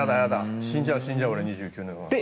死んじゃう、死んじゃう２９年後なんて。